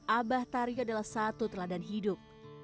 abah tari adalah satu teladan hidup